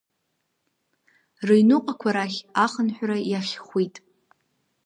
Рыҩныҟақәа рахь ахынҳәра иахьхәит.